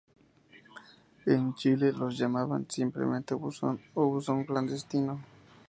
En Chile los llamaban simplemente "buzón" o "buzón clandestino".